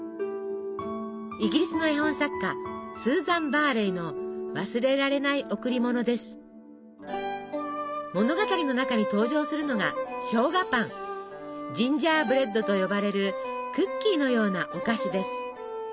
イギリスの絵本作家スーザン・バーレイの物語の中に登場するのがジンジャーブレッドと呼ばれるクッキーのようなお菓子です。